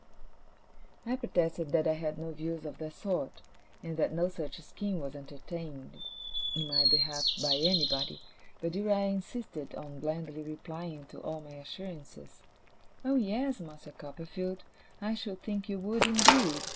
I protested that I had no views of that sort, and that no such scheme was entertained in my behalf by anybody; but Uriah insisted on blandly replying to all my assurances, 'Oh, yes, Master Copperfield, I should think you would, indeed!